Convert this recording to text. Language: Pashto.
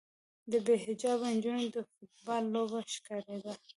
د بې حجابه نجونو د فوټبال لوبه ښکارېده.